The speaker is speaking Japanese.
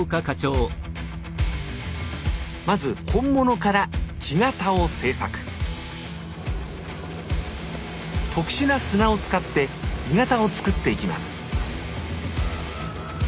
まず本物から木型を製作特殊な砂を使って鋳型を作っていきます